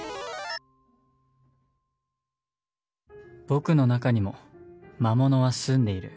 僕の中にも魔物は住んでいる。